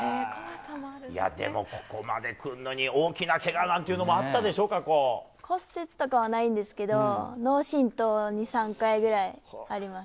でも、ここまでくるのに大きなけがなんていうのも骨折とかはないんですけど脳しんとう２３回ぐらいあります。